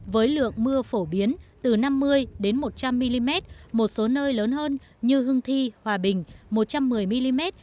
với lượng mưa phổ biến từ năm mươi một trăm linh mm một số nơi lớn hơn như hưng thi hòa bình một trăm một mươi mm